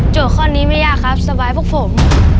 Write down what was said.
ข้อนี้ไม่ยากครับสบายพวกผม